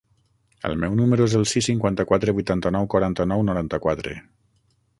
El meu número es el sis, cinquanta-quatre, vuitanta-nou, quaranta-nou, noranta-quatre.